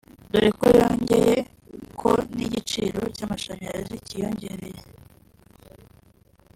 dore ko yongeyeho ko n’igiciro cy’amashanyarazi cyiyongereye